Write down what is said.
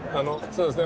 そうですね。